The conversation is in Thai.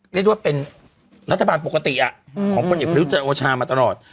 เรียกได้ว่าเป็นรัฐบาลปกติอ่ะอืมของพลแยกประยุจันโอชามาตลอด